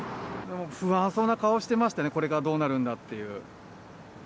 不安そうな顔してましたね、これからどうなるんだっていう。